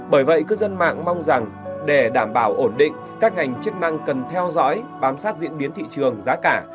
bởi vậy cư dân mạng mong rằng để đảm bảo ổn định các ngành chức năng cần theo dõi bám sát diễn biến thị trường giá cả